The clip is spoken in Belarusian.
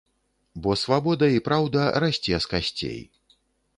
Бо свабода і праўда расце з касцей.